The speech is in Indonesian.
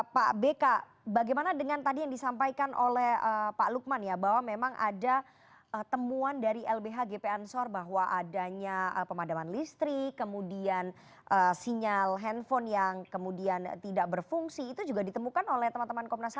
pak bk bagaimana dengan tadi yang disampaikan oleh pak lukman ya bahwa memang ada temuan dari lbh gp ansor bahwa adanya pemadaman listrik kemudian sinyal handphone yang kemudian tidak berfungsi itu juga ditemukan oleh teman teman komnas ham